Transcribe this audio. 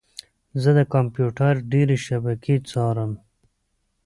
زه د کمپیوټر ډیرې شبکې څارم.